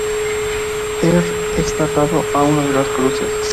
Erg está atado a una de las cruces.